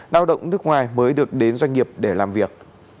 lao động nước ngoài mới được đến doanh nghiệp để làm việc